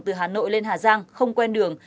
từ hà nội lên hà giang không quen đường